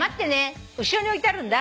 後ろに置いてあるんだ。